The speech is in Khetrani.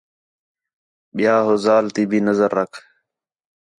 ٻِیا ہو ذال تی بھی نظر رکھ